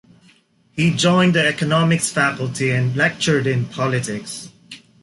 He joined the economics faculty and lectured in politics.